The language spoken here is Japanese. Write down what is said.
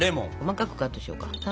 細かくカットしようか。